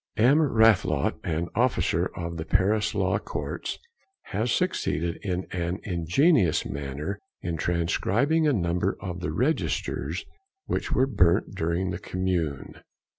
"M. Rathelot, an officer of the Paris Law Courts, has succeeded in an ingenious manner in transcribing a number of the registers which were burnt during the Commune.